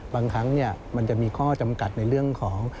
บางครั้งมันจะมีข้อจำกัดในเรื่องของ